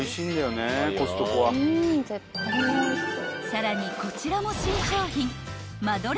［さらにこちらも新商品］